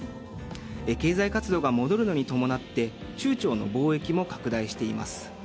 経済活動が戻るのに伴って中朝の貿易も拡大しています。